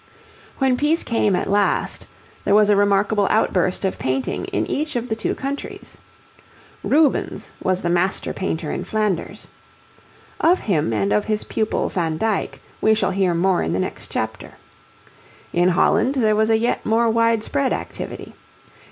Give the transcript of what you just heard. When peace came at last, there was a remarkable outburst of painting in each of the two countries. Rubens was the master painter in Flanders. Of him and of his pupil Van Dyck we shall hear more in the next chapter. In Holland there was a yet more wide spread activity.